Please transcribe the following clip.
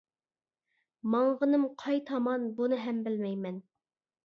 ماڭغىنىم قاي تامان بۇنى ھەم بىلمەيمەن.